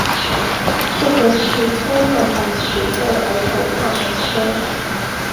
这个是冲浪板型的儿童踏板车。